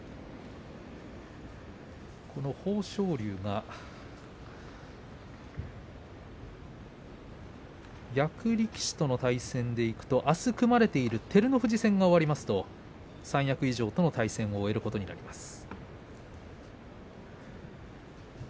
豊昇龍が役力士との対戦でいくとあす組まれている照ノ富士戦が終わりますと三役以上との対戦を終えることになります。